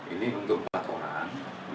ini untuk empat orang